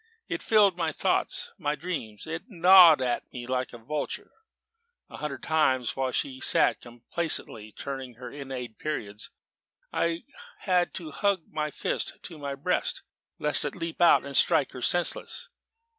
It filled my thoughts, my dreams; it gnawed me like a vulture. A hundred times while she sat complacently turning her inane periods, I had to hug my fist to my breast, lest it should leap out and strike her senseless.